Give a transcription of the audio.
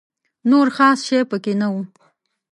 نور خاص شی په کې نه و.